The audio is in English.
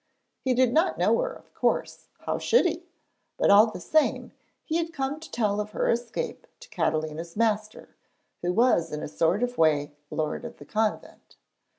He did not know her, of course; how should he? But all the same, he had come to tell of her escape to Catalina's master, who was in a sort of way lord of the convent.